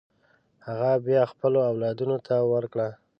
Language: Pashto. هغه بیا خپلو اولادونو ته ورکړه.